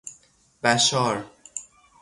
بَشار